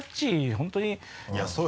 本当に。